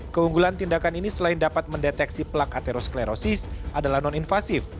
keunggulan tindakan ini selain dapat mendeteksi plak atherosklerosis adalah non invasif